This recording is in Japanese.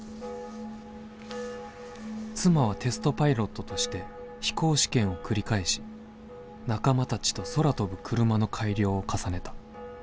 「妻はテストパイロットとして飛行試験を繰り返し仲間たちと空飛ぶクルマの改良を重ねた。